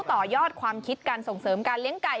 ต่อยอดความคิดการส่งเสริมการเลี้ยงไก่